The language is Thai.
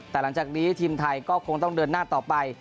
แต่หลังจากนี้ทีมไทยก็คงต้องเดินหน้าต่อไป